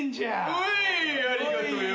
おいありがとよ。